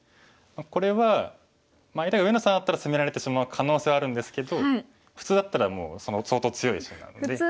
これは相手が上野さんだったら攻められてしまう可能性はあるんですけど普通だったらもう相当強い石なので。